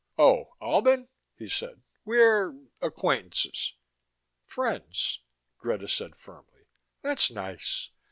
"Oh, Albin?" he said. "We're acquaintances." "Friends," Greta said firmly. "That's nice.